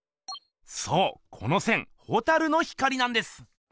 そうこの線蛍の光なんです！